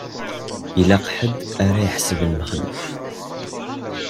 Ilaq ḥedd ara iḥebsen Mexluf.